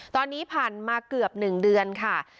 ตอนนี้ผ่านมาเกือบ๑เดือนค่ะ